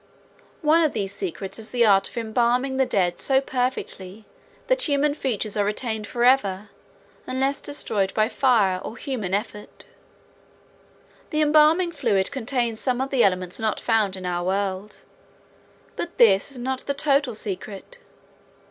One of these secrets is the art of embalming the dead so perfectly that human features are retained forever unless destroyed by fire or human effort. The embalming fluid contains some of the elements not found in our world, but this is not the total secret.